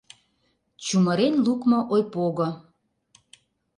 Чумырен лукмо ойпого